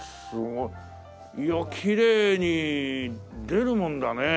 いやきれいに出るものだね。